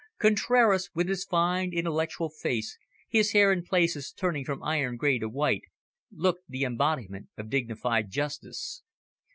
Contraras, with his fine intellectual face, his hair in places turning from iron grey to white, looked the embodiment of dignified justice.